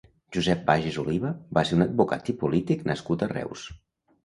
Josep Bages Oliva va ser un advocat i polític nascut a Reus.